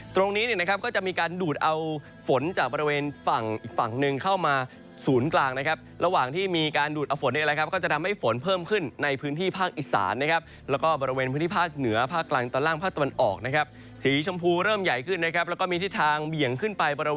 ตรงนี้เนี่ยนะครับก็จะมีการดูดเอาฝนจากบริเวณฝั่งอีกฝั่งหนึ่งเข้ามาศูนย์กลางนะครับระหว่างที่มีการดูดเอาฝนเนี่ยแหละครับก็จะทำให้ฝนเพิ่มขึ้นในพื้นที่ภาคอีสานนะครับแล้วก็บริเวณพื้นที่ภาคเหนือภาคกลางตอนล่างภาคตะวันออกนะครับสีชมพูเริ่มใหญ่ขึ้นนะครับแล้วก็มีทิศทางเบี่ยงขึ้นไปบ